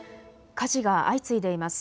火事が相次いでいます。